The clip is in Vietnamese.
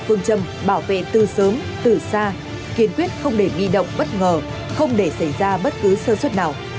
phương châm bảo vệ từ sớm từ xa kiên quyết không để nghi động bất ngờ không để xảy ra bất cứ sơ suất nào